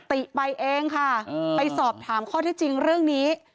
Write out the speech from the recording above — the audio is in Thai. ติไปเองค่ะไปสอบถามข้อที่จริงเรื่องนี้